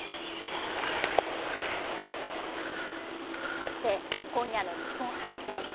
そして、今夜の日本ハム戦。